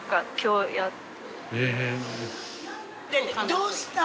どうしたん？